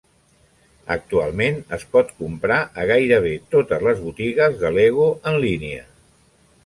Actualment es pot comprar a gairebé totes les botigues de Lego en línia.